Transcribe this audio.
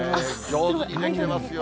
上手に出来てますよね。